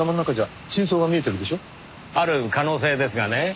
ある可能性ですがね。